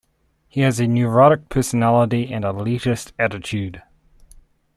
He has a neurotic personality and elitist attitude.